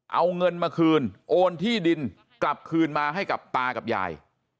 เอาเงินมาคืนโอนที่ดินกลับคืนมาให้กับตากับยาย